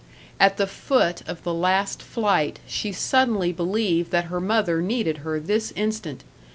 At the foot of the last flight she suddenly believed that her mother needed her this instant.